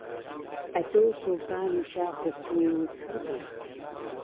ئەتۆ سوڵتانی شاخ و کێو و چڕ بووی